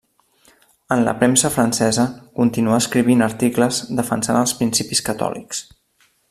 En la premsa francesa continuà escrivint articles defensant els principis catòlics.